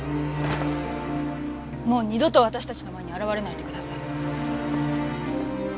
もう二度と私たちの前に現れないでください。